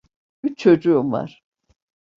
Üç çocuğum var.